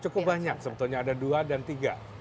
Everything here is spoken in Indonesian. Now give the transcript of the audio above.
cukup banyak sebetulnya ada dua dan tiga